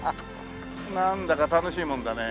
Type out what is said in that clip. なんだか楽しいもんだね。